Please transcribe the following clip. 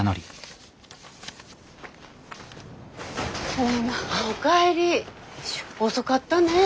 おかえり遅かったね。